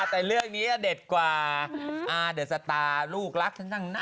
แต่เรื่องนี้เด็ดกว่าอเดิร์ทสตารุกลักษณะ